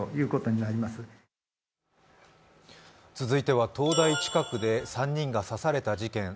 続いては東大近くで３人が刺された事件。